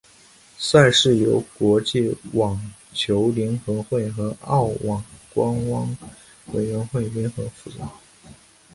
赛事由国际网球联合会和澳网官方委员会联合负责。